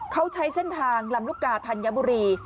เขาใช้เส้นทางลำลูกกาธัญบุรี